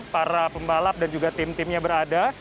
para pembalap dan juga tim timnya berada